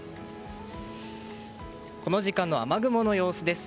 この時間の雨雲の様子です。